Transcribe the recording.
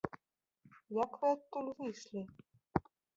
Як вы адтуль выйшлі?